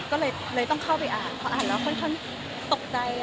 ก็เลยต้องเข้าไปอ่านเพราะอ่านแล้วค่อนข้างตกใจ